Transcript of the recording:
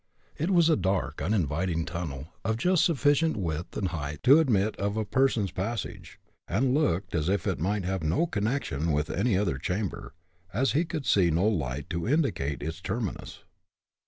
It was a dark, uninviting tunnel, of just sufficient width and height to admit of a person's passage, and looked as if it might have no connection with any other chamber, as he could see no light to indicate its terminus.